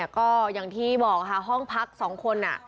ก็อย่างที่บอกค่ะห้องพัก๒คน